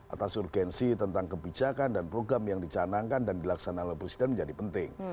atas urgensi tentang kebijakan dan program yang dicanangkan dan dilaksanakan oleh presiden menjadi penting